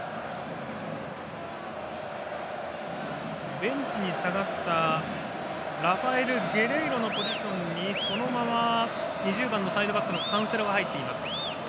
ベンチに下がったラファエル・ゲレイロのポジションにそのまま２０番のサイドバックのカンセロが入っています。